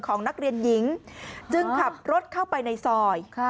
ของนักเรียนหญิงจึงขับรถเข้าไปในซอย